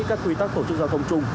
các quy tắc tổ chức giao thông chung